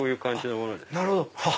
なるほど。